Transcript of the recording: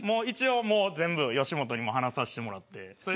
一応、全部吉本にも話させてもらって。